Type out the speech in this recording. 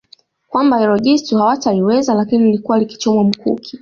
Kwamba hilo jitu hawataliweza lakini lilikuwa likichomwa mkuki